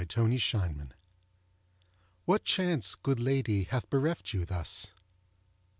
A PREDICAMENT What chance, good lady, hath bereft you thus?